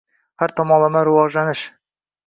Har tomonlama rivojlantirish